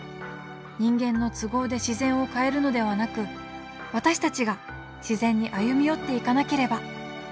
人間の都合で自然を変えるのではなく私たちが自然に歩み寄っていかなければ。